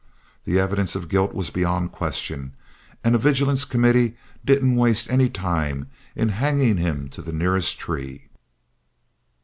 The evidence of guilt was beyond question, and a vigilance committee didn't waste any time in hanging him to the nearest tree.